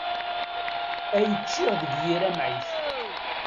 Ay ččiɣ deg yir amɛic.